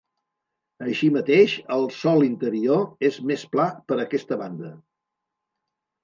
Així mateix, el sòl interior és més pla per aquesta banda.